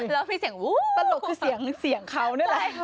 แล้วมีเสียง๕๕๕๕๕๕๕ปลาลูกคือเสียงเขาน่ะละ